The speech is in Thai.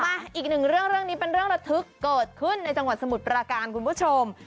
อีกหนึ่งเรื่องเรื่องนี้เป็นเรื่องระทึกเกิดขึ้นในจังหวัดสมุทรปราการคุณผู้ชม